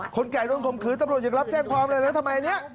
คนแก่โดนคมขืนตำรวจยังรับแจ้งพร้อมแล้วแล้วทำไมเนี่ย